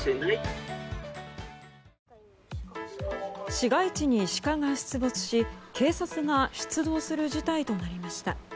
市街地にシカが出没し警察が出動する事態となりました。